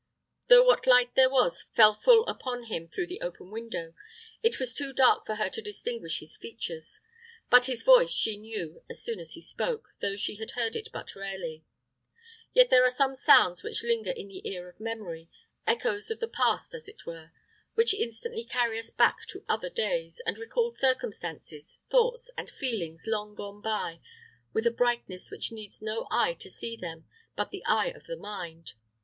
Though what light there was fell full upon him through the open window, it was too dark for her to distinguish his features; but his voice she knew as soon as he spoke, though she had heard it but rarely. Yet there are some sounds which linger in the ear of memory echoes of the past, as it were which instantly carry us back to other days, and recall circumstances, thoughts, and feelings long gone by, with a brightness which needs no eye to see them but the eye of the mind.